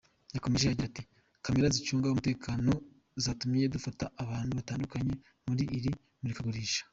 Yakomeje agira ati “camera zicunga umuteko zatumye dufata abantu batandukanye muri iri murikagurisha.